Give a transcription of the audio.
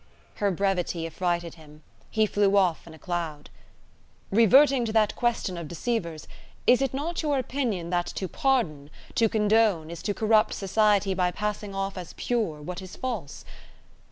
Her brevity affrighted him. He flew off in a cloud. "Reverting to that question of deceivers: is it not your opinion that to pardon, to condone, is to corrupt society by passing off as pure what is false?